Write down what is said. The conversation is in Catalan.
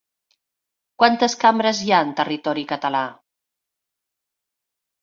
Quantes cambres hi ha en territori català?